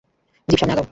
Zip সামনে আগাও।